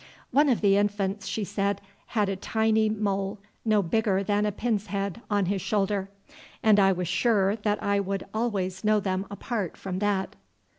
"One of the infants," she said, "had a tiny mole no bigger than a pin's head on his shoulder, and I was sure that I would always know them apart from that."